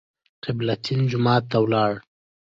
قبله تین جومات ته لاړو.